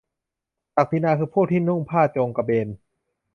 ศักดินาคือพวกที่นุ่งผ้าโจงกระเบน ?